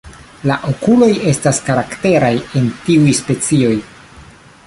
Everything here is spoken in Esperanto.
La okuloj estas karakteraj en tiuj specioj.